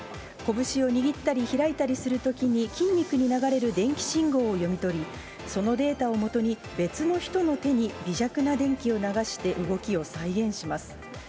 拳を握ったり開いたりするときに、筋肉に流れる電気信号を読み取り、そのデータを基に、別の人の手に微弱な電気を流して、動きを再現します。